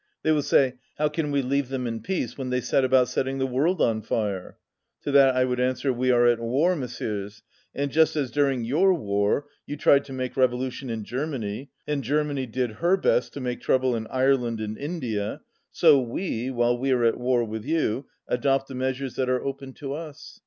They will say 'How can we leave them in peace when they set about setting the world on fire?' To that I would answer, 'We are at war, Mes sieurs ! And just as during your war you tried to make revolution in Germany, and Germany did her best to make trouble in Ireland and India, so we, while we are at war with you, adopt the meas ures that are open to us.